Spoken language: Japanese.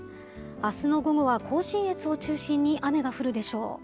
あすの午後は甲信越を中心に雨が降るでしょう。